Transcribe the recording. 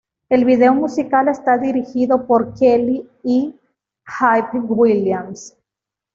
El video musical está dirigido por Kelly y Hype Williams.